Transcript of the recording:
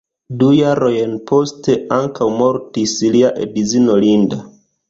Du jarojn poste ankaŭ mortis lia edzino Linda.